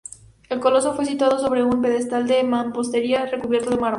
El Coloso fue situado sobre un pedestal de mampostería recubierto de mármol.